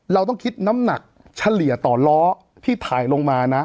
เราต้องคิดน้ำหนักเฉลี่ยต่อล้อที่ถ่ายลงมานะ